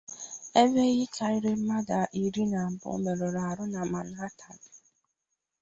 ebe ịhe karịrị mmadụ iri na abụọ merụrụ ahụ na Manhattan